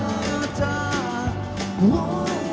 memandang aku sebelah mata